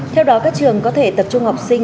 theo đó các trường có thể tập trung học sinh